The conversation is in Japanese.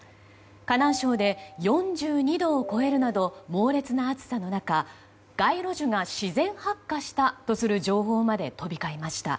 河南省で４２度を超えるなど猛烈な暑さの中、街路樹が自然発火したとする情報まで飛び交いました。